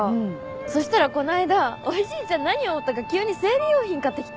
そしたらこないだおじいちゃん何を思ったか急に生理用品買ってきて。